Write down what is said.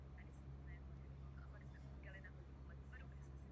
Po stranách oltáře jsou sochy znázorňující "Zvěstování Panny Marie".